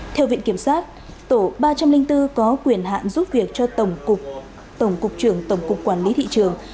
theo viện kiểm sát tổ ba trăm linh bốn có quyền hạn giúp việc cho tổng cục trưởng tổng cục quản lý thị trường